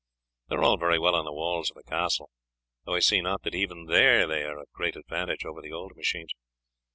They are all very well on the walls of a castle, though I see not that even there they are of great advantage over the old machines.